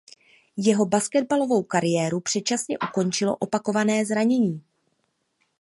Jeho basketbalovou kariéru předčasně ukončilo opakované zranění.